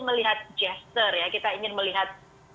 melihat gesture ya kita ingin melihat